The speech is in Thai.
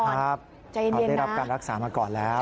เจ็บเย็นนะเขาได้รับการรักษามาก่อนแล้ว